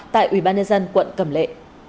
tại ubnd quận cầm lệ